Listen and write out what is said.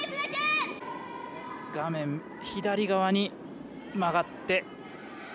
画面左側に曲がって。